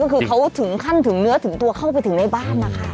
เพราะคือเขาคั่นถึงเนื้อถึงตัวเข้าไปถึงในบ้านนะคะ